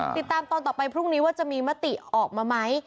ตอนต่อไปพรุ่งนี้ว่าจะมีมติออกมาไหม